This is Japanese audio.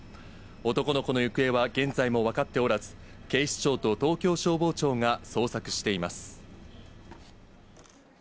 男の子の行方は現在も分かっておらず、警視庁と東京消防庁が捜索しています。